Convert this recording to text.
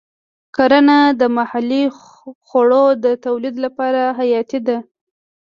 کرنه د محلي خوړو د تولید لپاره حیاتي ده.